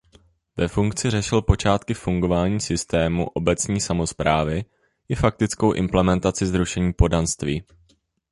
Ve funkci řešil počátky fungování systému obecní samosprávy i faktickou implementaci zrušení poddanství.